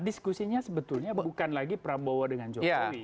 diskusinya sebetulnya bukan lagi prabowo dengan jokowi